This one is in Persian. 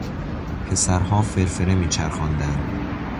پسرها فرفره میچرخانند.